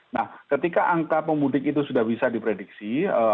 nah ketika angka pemudik itu sudah bisa diprediksi